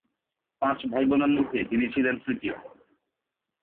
পাঁচ ভাইবোনের মধ্যে তিনি ছিলেন তৃতীয়।